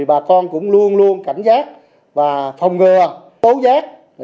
bà con cũng luôn luôn cảnh giác và phòng ngừa